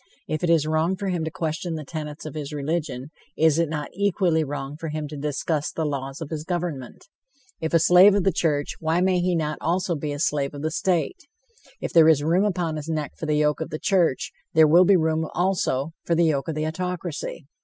If it is wrong for him to question the tenets of his religion, is it not equally wrong for him to discuss the laws of his government? If a slave of the church, why may he not be also a slave of the state? If there is room upon his neck for the yoke of the church, there will be room, also, for the yoke of the autocracy.